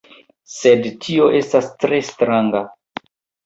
Sed tio estas tre stranga...